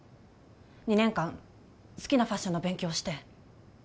２年間好きなファッションの勉強して